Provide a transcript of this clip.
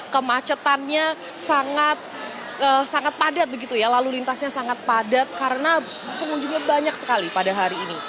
kemacetannya sangat padat begitu ya lalu lintasnya sangat padat karena pengunjungnya banyak sekali pada hari ini